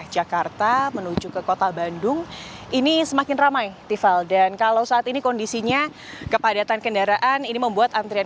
jadi disetop di pelabuhan